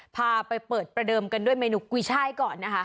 พาไปเปิดประเดิมกันด้วยเมนูกุยช่ายก่อนนะคะ